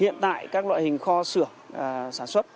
hiện tại các loại hình kho xưởng sản xuất